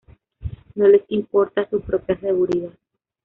No les importa su propia seguridad.